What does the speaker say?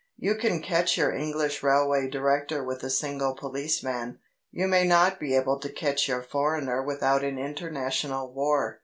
You can catch your English railway director with a single policeman; you may not be able to catch your foreigner without an international war.